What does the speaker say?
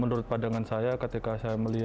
jadi ibu sudah di bangun jawa timur